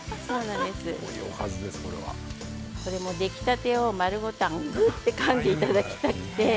これも出来たてを丸ごとかんでいただきたくて。